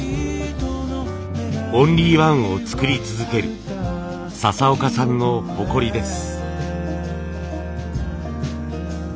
オンリーワンを作り続ける笹岡さんの誇りです。